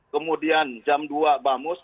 kemudian jam dua bamus